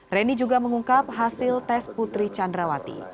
reni juga mengungkap hasil tes putri candrawati